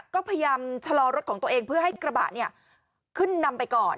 ก็พยายามชะลอรถของตัวเองเพื่อให้กระบะขึ้นนำไปก่อน